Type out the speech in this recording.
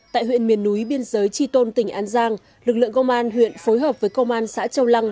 tại huyện miền núi biên giới tri tôn tỉnh an giang lực lượng công an huyện phối hợp với công an xã châu lăng